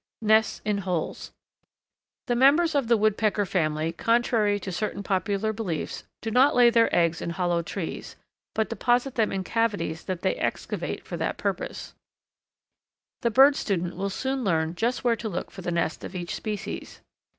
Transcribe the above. Nests in Holes. The members of the Woodpecker family, contrary to certain popular beliefs, do not lay their eggs in hollow trees but deposit them in cavities that they excavate for the purpose. The bird student will soon learn just where to look for the nest of each species.